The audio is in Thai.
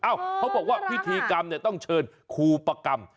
อ้าวเขาบอกว่าพิธีกรรมต้องเชิญครูปรกรรม